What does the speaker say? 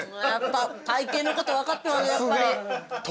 やっぱ体形のこと分かってますね。